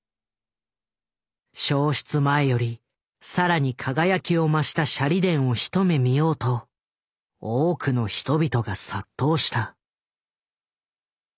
焼失前より更に輝きを増した舎利殿を一目見ようと多くの人々が殺到した。